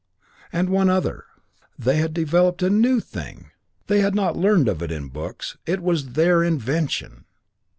And one other. They had developed a new thing! They had not learned of it in books, it was their invention!